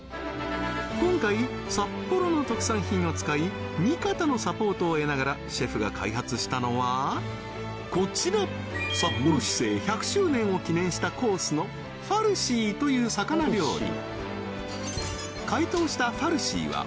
今回札幌の特産品を使い見方のサポートを得ながらシェフが開発したのはこちら札幌市制１００周年を記念したコースのファルシーという魚料理